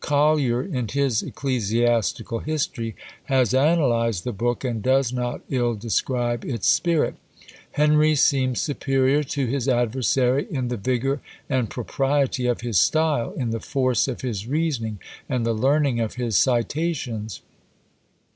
Collier, in his Ecclesiastical History, has analysed the book, and does not ill describe its spirit: "Henry seems superior to his adversary in the vigour and propriety of his style, in the force of his reasoning, and the learning of his citations.